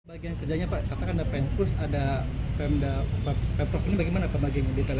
bagian kerjanya pak katakan ada penkurs ada pemda pemprov ini bagaimana pak bagian detailnya